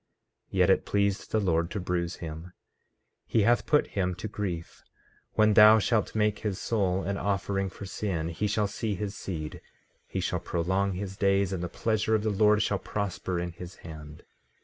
14:10 Yet it pleased the Lord to bruise him; he hath put him to grief; when thou shalt make his soul an offering for sin he shall see his seed, he shall prolong his days, and the pleasure of the Lord shall prosper in his hand.